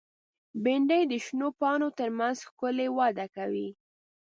بېنډۍ د شنو پاڼو تر منځ ښکلي وده کوي